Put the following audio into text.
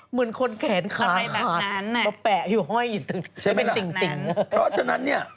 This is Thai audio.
เหมือนคนแขนขาขาดอะไรแบบนั้นใช่ไหมล่ะเพราะฉะนั้นเนี่ย